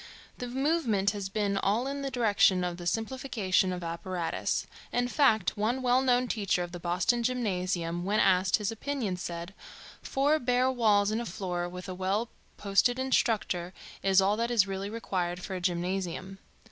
The movement has been all in the direction of the simplification of apparatus; in fact, one well known teacher of the Boston Gymnasium when asked his opinion said: "Four bare walls and a floor, with a well posted instructor, is all that is really required for a gymnasium."